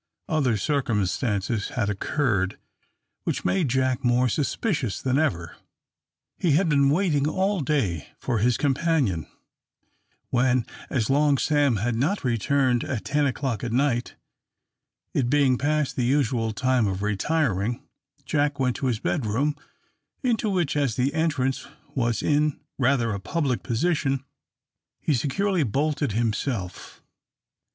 Other circumstances had occurred which made Jack more suspicious than ever. He had been waiting all day for his companion, when, as Long Sam had not returned at ten o'clock at night, it being past the usual time of retiring, Jack went to his bedroom, into which, as the entrance was in rather a public position, he securely bolted himself.